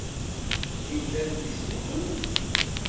Win d adlis-nwent?